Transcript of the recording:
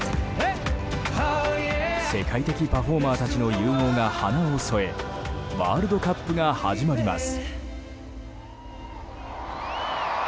世界的パフォーマーたちの融合が花を添えワールドカップが始まります。